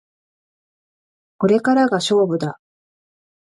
これからが勝負だ